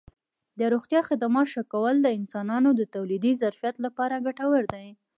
د روغتیا خدماتو ښه کول د انسانانو د تولیدي ظرفیت لپاره ګټور دي.